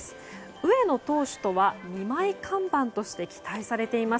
上野投手とは２枚看板として期待されています。